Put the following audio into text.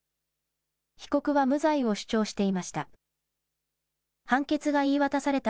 被告は無罪を主張していました。